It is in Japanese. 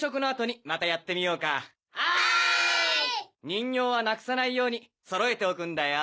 人形はなくさないように揃えておくんだよ。